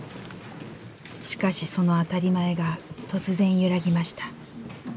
しかしその当たり前が突然揺らぎました。